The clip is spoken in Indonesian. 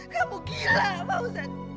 kamu gila pausen